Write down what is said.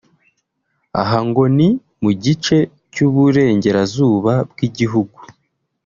aha ngo ni mu gice cy’Uburengerazuba bw’Igihugu